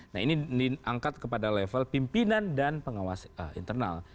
nah ini diangkat kepada level pimpinan dan pengawas internal